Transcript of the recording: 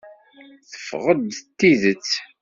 Teffeɣ-d d tidet.